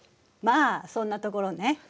まあそんなところね。